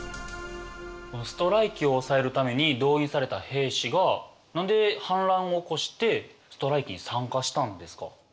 ストライキを抑えるために動員された兵士が何で反乱を起こしてストライキに参加したんですか？